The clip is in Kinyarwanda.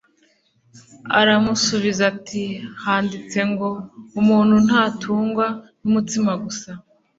Aramusubiza ati 'Handitswe ngo Umuntu ntatungwa n'umutsima gusa,